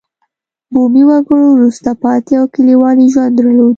بومي وګړو وروسته پاتې او کلیوالي ژوند درلود.